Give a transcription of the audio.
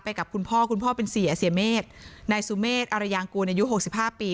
ไปกับคุณพ่อคุณพ่อเป็นศรีอาเซียเมฆนายสุเมฆอารยางกูลอายุ๖๕ปี